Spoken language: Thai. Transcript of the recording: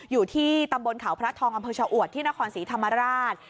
อยู่ที่ตำบลเขาพระทองอำเภอชะอวดที่นครศรีธรรมราช